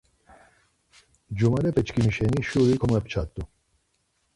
Cumalepeçkimi şeni şuri komepçat̆u.